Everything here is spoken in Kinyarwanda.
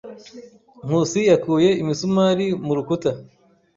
Nkusi yakuye imisumari mu rukuta.